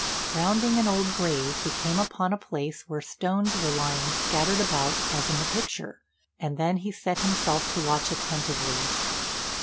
Rounding an old grave, he came upon a place where stones were lying scattered about as in the picture, and then he set himself to watch attentively.